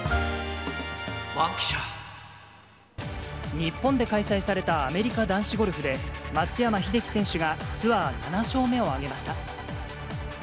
日本で開催されたアメリカ男子ゴルフで、松山英樹選手がツアー７勝目を挙げました。